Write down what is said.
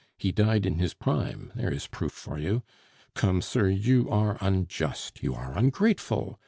He died in his prime; there is proof for you.... Come, sir, you are unjust! You are ungrateful!